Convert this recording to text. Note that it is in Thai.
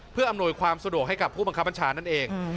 เพื่ออำนวยความสะดวกให้กับผู้บังคับบัญชานั่นเอง